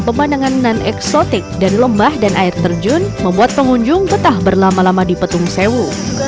pemandangan non eksotik dari lembah dan air terjun membuat pengunjung betah berlama lama di petung sewu